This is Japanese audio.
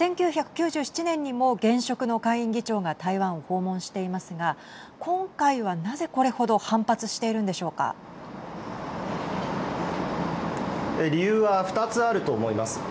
１９９７年にも現職の下院議長が台湾を訪問していますが、今回はなぜ、これ程理由は２つあると思います。